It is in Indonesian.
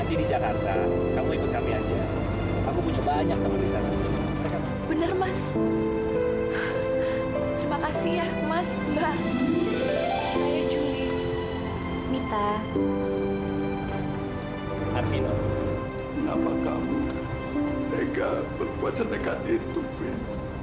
kenapa kamu tegak berpuasa negatif tuh vin